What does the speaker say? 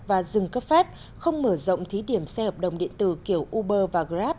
và dừng cấp phép không mở rộng thí điểm xe hợp đồng điện tử kiểu uber và grab